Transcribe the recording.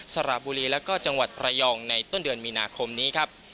สระบุรีแล้วก็จังหวัดระยองในต้นเดือนมีนาคมนี้ครับ